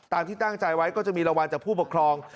ที่ตั้งใจไว้ก็จะมีรางวัลจากผู้ปกครอง